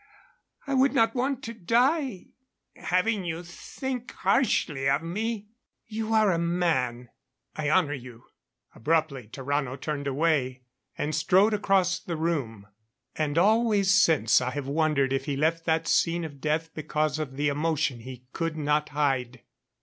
I would not want to die having you think harshly of me " "You are a man I honor you." Abruptly Tarrano turned away and strode across the room. And always since I have wondered if he left that scene of death because of the emotion he could not hide.